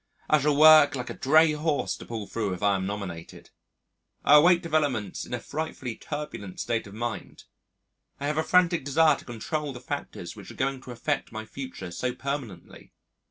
I shall work like a drayhorse to pull through if I am nominated.... I await developments in a frightfully turbulent state of mind. I have a frantic desire to control the factors which are going to affect my future so permanently.